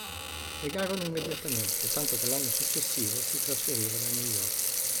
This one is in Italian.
Legarono immediatamente, tanto che l'anno successivo si trasferirono a New York.